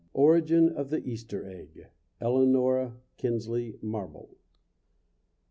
ORIGIN OF THE EASTER EGG. ELANORA KINSLEY MARBLE.